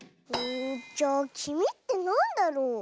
じゃあきみってなんだろう？